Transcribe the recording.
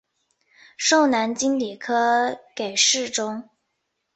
授南京礼科给事中。